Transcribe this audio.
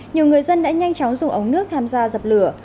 nhiều người dân đã nhanh chóng dùng ống nước tham gia dập lửa